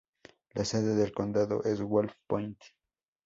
La sede del condado es Wolf Point.